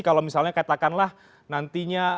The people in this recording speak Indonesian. kalau misalnya katakanlah nantinya